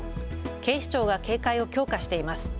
警視庁が警戒を強化しています。